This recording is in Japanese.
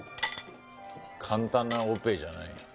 簡単なオペじゃない。